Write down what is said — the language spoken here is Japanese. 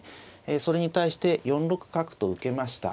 それに対して４六角と受けました。